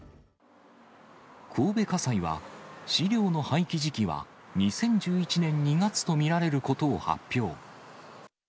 神戸家裁は、資料の廃棄時期は２０１１年２月と見られることを発表。